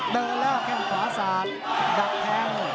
เดินแล้วแข้งขวาสาดดักแทง